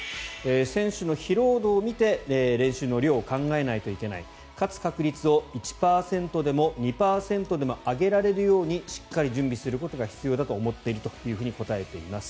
選手の疲労度を見て練習の量を考えないといけない勝つ確率を１％でも２％でも上げられるようにしっかり準備することが必要だと思っているというふうに答えています。